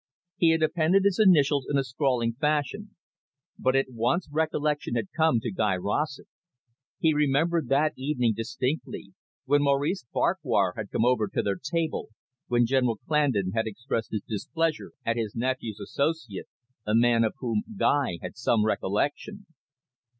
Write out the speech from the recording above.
He had appended his initials in a scrawling fashion. But at once recollection had come to Guy Rossett. He remembered that evening distinctly, when Maurice Farquhar had come over to their table, when General Clandon had expressed his displeasure at his nephew's associate, a man of whom Guy had some recollection.